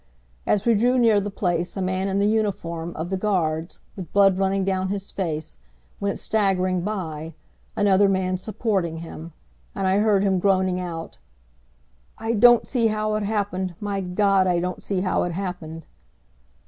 As we drew near the place a man in the uniform of the guards, with blood running down his face, went staggering by, another man supporting him; and I heard him groaning out: "I don't see how it happened, my God, I don't see how it happened!"